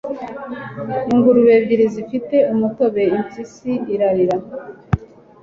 ingurube ebyiri zifite umutobe!' impyisi irarira